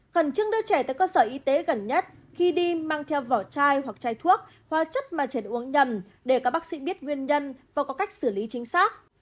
khẩn trương đưa trẻ tới cơ sở y tế gần nhất khi đi mang theo vỏ chai hoặc chai thuốc hoa chất mà trên uống nhầm để các bác sĩ biết nguyên nhân và có cách xử lý chính xác